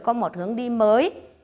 có một hướng đi mới